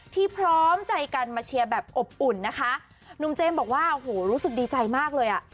พร้อมใจกันมาเชียร์แบบอบอุ่นนะคะหนุ่มเจมส์บอกว่าโหรู้สึกดีใจมากเลยอ่ะ